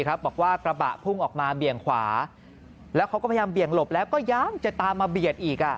ส่วนเพื่อนของเขาคุณที่มาด้วยกันวันนั้นอายุ๒๗ปี